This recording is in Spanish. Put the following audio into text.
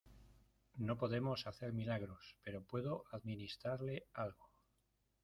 no podemos hacer milagros, pero puedo administrarle algo.